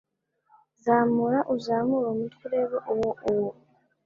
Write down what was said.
Zamura uzamure umutwe urebe uwo uwo